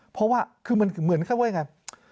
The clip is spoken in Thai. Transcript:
เพราะว่าคือมันเหมือนแค่ว่าอย่างไร